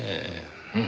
うん。